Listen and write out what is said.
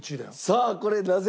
さあこれなぜ？